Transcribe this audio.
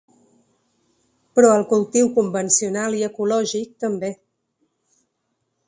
Però el cultiu convencional i ecològic també!